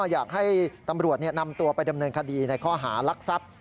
อยากให้ตำรวจนำตัวไปดำเนินคดีในข้อหารักทรัพย์